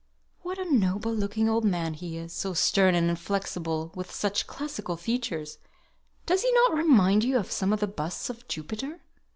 "What a noble looking old man he is! so stern and inflexible, with such classical features! Does he not remind you of some of the busts of Jupiter?"